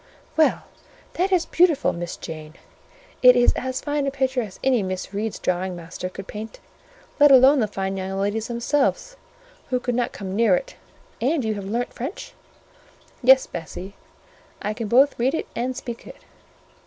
"Well, that is beautiful, Miss Jane! It is as fine a picture as any Miss Reed's drawing master could paint, let alone the young ladies themselves, who could not come near it: and have you learnt French?" "Yes, Bessie, I can both read it and speak it."